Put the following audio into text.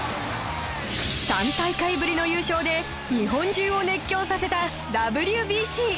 ３大会ぶりの優勝で日本中を熱狂させた ＷＢＣ